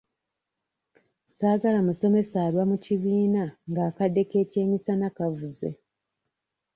Saagala musomesa alwa mu kibiina ng'akadde k'ekyemisana kavuze.